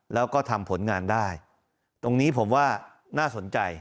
แล้วก็ทำผลงานได้ตรงนี้ผมว่าน่าสนใจ